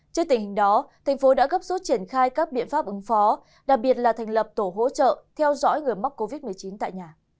trước tình hình đó thành phố đã gấp rút triển khai các biện pháp ứng phó đặc biệt là thành lập tổ hỗ trợ theo dõi người mắc covid một mươi chín tại nhà